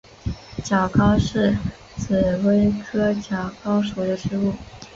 角蒿是紫葳科角蒿属的植物。